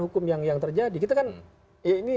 hukum yang terjadi kita kan ini